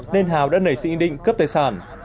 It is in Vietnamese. nên hào đã nảy sự yên định cướp tài sản